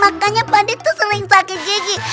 makanya pak d tuh sering sakit gigi